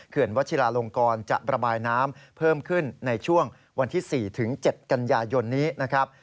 วัชิลาลงกรจะระบายน้ำเพิ่มขึ้นในช่วงวันที่๔๗กันยายนนี้นะครับ